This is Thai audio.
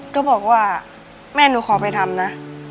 ก็บอกว่าแม่หนูขอไปทำนะ